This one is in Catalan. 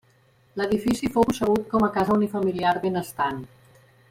L'edifici fou concebut com a casa unifamiliar benestant.